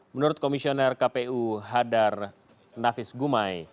menurut komisioner kpu hadar nafis gumai